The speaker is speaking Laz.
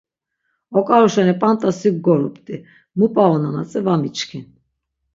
Ok̆aru şeni p̆anda si ggorupt̆i, mu p̆aunon atzi va miçkin.